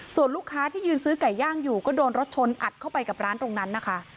ส่วนลูกค้าที่ยืนซื้อไก่ย่างอยู่ก็โดนรถชนอัดเข้าไปกับร้านตรงนั้นนะคะ